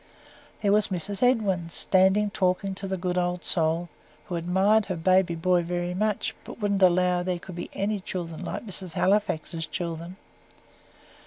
There was Mrs. Edwin, standing talking to the good old soul, who admired her baby boy very much, but wouldn't allow there could be any children like Mrs. Halifax's children.